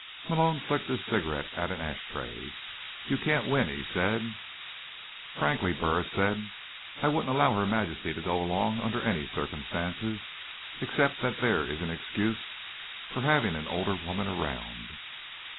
Malone flicked his cigarette at an ashtray. "You can't win," he said. "Frankly," Burris said, "I wouldn't allow Her Majesty to go along under any circumstances—except that there is an excuse for having an older woman around."